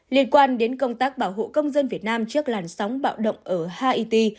liên quan đến công tác bảo hộ công dân việt nam trước làn sóng bạo động ở haity